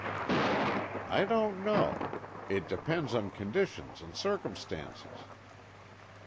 "I don't know. It depends on conditions and circumstances."